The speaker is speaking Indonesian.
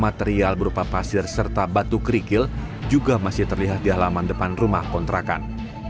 material berupa pasir serta batu kerikil juga masih terlihat di halaman depan rumah kontrakan